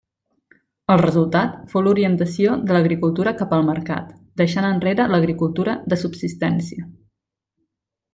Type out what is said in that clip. El resultat fou l'orientació de l'agricultura cap al mercat, deixant enrere l’agricultura de subsistència.